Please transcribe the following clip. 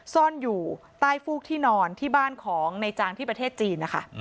ซ่อนอยู่ใต้ฟูกที่นอนที่บ้านของในจางที่ประเทศจีนนะคะ